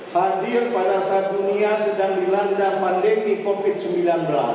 hadir pada saat dunia sedang dilanda pandemi covid sembilan belas